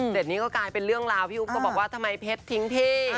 เสร็จนี้ก็กลายเป็นเรื่องราวพี่อุ๊บก็บอกว่าทำไมเพชรทิ้งที่